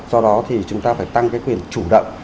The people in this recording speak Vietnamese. do đó thì chúng ta phải tăng cái quyền chủ động